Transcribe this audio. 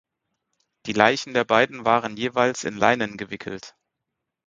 Die Leichen der beiden waren jeweils in Leinen gewickelt.